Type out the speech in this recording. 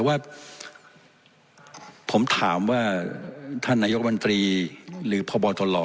แต่ว่าผมถามว่าท่านนายกรบันตรีหรือพลบอร์ตรรอ